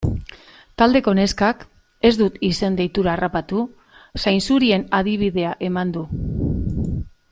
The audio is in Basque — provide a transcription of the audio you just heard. Taldeko neskak, ez dut izen-deitura harrapatu, zainzurien adibidea eman du.